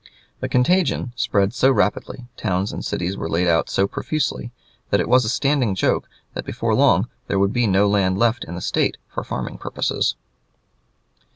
The contagion spread so rapidly, towns and cities were laid out so profusely, that it was a standing joke that before long there would be no land left in the State for farming purposes.